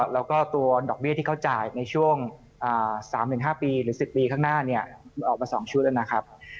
แล้วก็ตัวดอกเบี้ยที่เขาจ่ายในช่วง๓๕ปีหรือ๑๐ปีข้างหน้ามันออกมา๒ชุดแล้วนะครับ